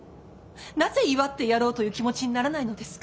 なぜ祝ってやろうという気持ちにならないのですか。